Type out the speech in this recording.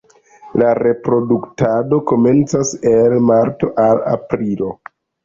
La reproduktado komencas el marto al aprilo.